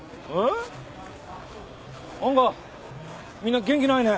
なんかみんな元気ないね。